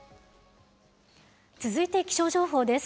続いて気象情報です。